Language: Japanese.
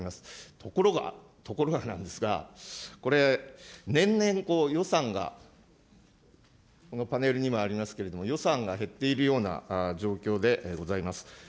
ところが、ところがなんですが、これ、年々、予算が、このパネルにもありますけれども、予算が減っているような状況でございます。